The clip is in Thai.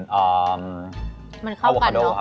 มันเข้ากันเนอะ